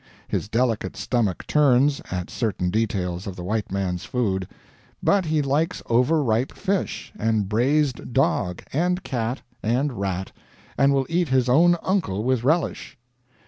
His delicate stomach turns, at certain details of the white man's food; but he likes over ripe fish, and brazed dog, and cat, and rat, and will eat his own uncle with relish.